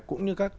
cũng như các